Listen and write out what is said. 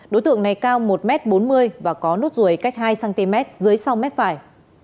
đối tượng này cao một m bốn mươi và có nốt ruồi cách hai cm dưới sau mép phải